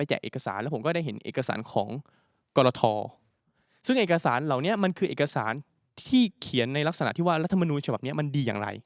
จากเอกสารแล้วผมก็ได้เห็นเอกสารของกรทซึ่งเอกสารเหล่านี้มันคือเอกสารที่เขียนในลักษณะที่ว่ารัฐมนูญฉบับนี้มันดีอย่างไร